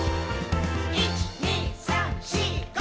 「１．２．３．４．５．」